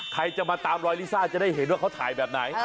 ใครจะมาตามรอยลิซ่าจะได้เห็นว่าเขาถ่ายแบบไหน